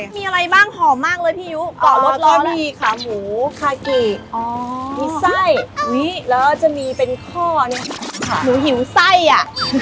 มีอะไรบ้างหอมมากเลยพี่ยุเกาะรสร้อยมีขาหมูคากิมีไส้แล้วจะมีเป็นข้อเนี่ยหนูหิวไส้อ่ะ